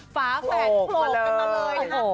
ฟ้าแสดโพกมาเลย